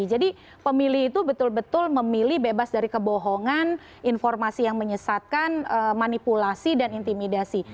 jadi pemilih itu betul betul memilih bebas dari kebohongan informasi yang menyesatkan manipulasi dan intimidasi